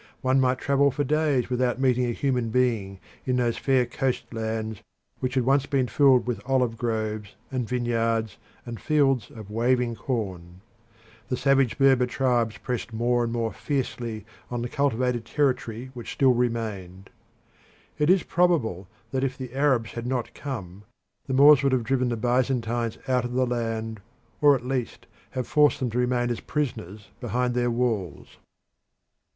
One might travel for days without meeting a human being in those fair coast lands which had once been filled with olive groves, and vineyards, and fields of waving corn. The savage Berber tribes pressed more and more fiercely on the cultivated territory which still remained. It is probable that if the Arabs had not come the Moors would have driven the Byzantines out of the land, or at least have forced them to remain as prisoners behind their walls.